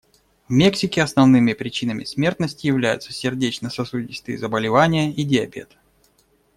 В Мексике основными причинами смертности являются сердечно-сосудистые заболевания и диабет.